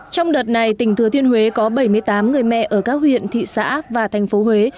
trong đợt này tỉnh thừa thiên huế có bảy mươi tám người mẹ ở các huyện thị xã và thành phố huế